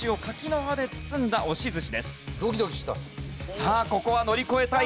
さあここは乗り越えたい。